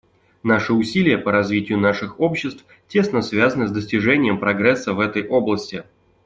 Наши усилия по развитию наших обществ тесно связаны с достижением прогресса в этой области.